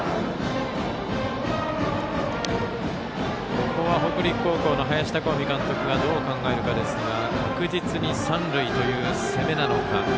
ここは北陸高校の林孝臣監督がどう考えるかですが確実に三塁という攻めなのか。